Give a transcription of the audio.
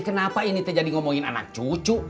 kenapa ini terjadi ngomongin anak cucu